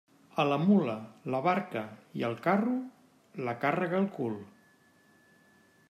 A la mula, la barca i el carro, la càrrega al cul.